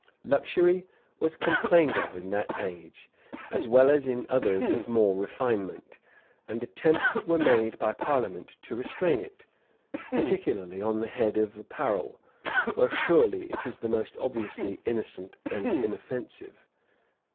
[] Luxury was complained of in that age, as well as in others of more refinement; and attempts were made by parliament to restrain it, particularly on the head of apparel, where surely it is the most obviously innocent and inoffensive.